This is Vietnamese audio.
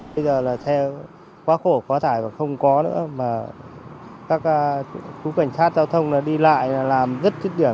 bây giờ là xe quá khổ quá tải và không có nữa mà các chú cảnh sát giao thông đi lại làm rất thiết điểm